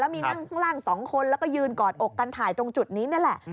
มีนั่งข้างล่าง๒คนแล้วก็ยืนกอดอกกันถ่ายตรงจุดนี้นั่นแหละ